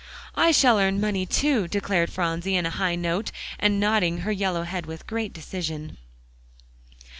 "I shall earn money too," declared Phronsie on a high note, and nodding her yellow head with great decision.